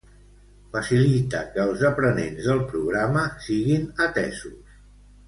Facilita que els aprenents del programa siguin atesos